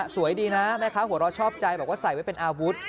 สวยดีนะแม่ค้าหัวเราะชอบใจบอกว่าใส่ไว้เป็นอาวุธ